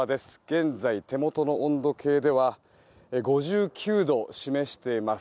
現在、手元の温度計では５９度を示しています。